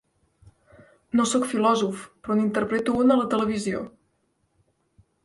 No soc filòsof, però n'interpreto un a la televisió.